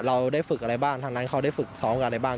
เราได้ฝึกอะไรบ้างทางนั้นเขาได้ฝึกซ้อมอะไรบ้าง